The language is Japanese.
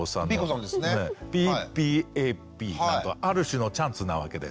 「ＰＰＡＰ」などはある種のチャンツなわけですよ。